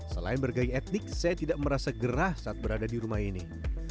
selain bergaya etnik saya tidak merasa gerah saat berada di rumah ini